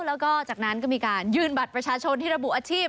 แล้วก็จากนั้นก็มีการยืนบัตรประชาชนที่ระบุอาชีพ